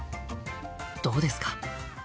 どうですか？